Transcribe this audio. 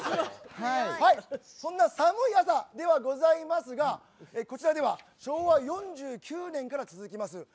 そんな寒い朝ではございますがこちらでは昭和４９年から続きます